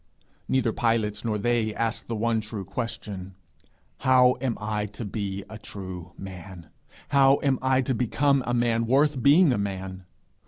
Neither Pilate nor they ask the one true question, 'How am I to be a true man? How am I to become a man worth being a man?'